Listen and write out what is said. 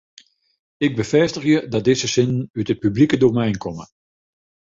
Ik befêstigje dat dizze sinnen út it publike domein komme.